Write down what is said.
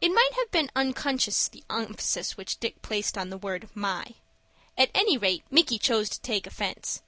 It might have been unconscious the emphasis which Dick placed on the word "my." At any rate Micky chose to take offence.